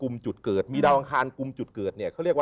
กลุ่มจุดเกิดมีดาวอังคารกลุ่มจุดเกิด